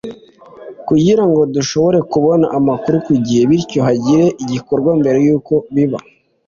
kugira ngo dushobore kubona amakuru ku gihe bityo hagire igikorwa mbere y’uko biba